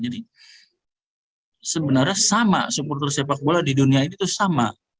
jadi sebenarnya sama supporter sepak bola di dunia ini tuh sama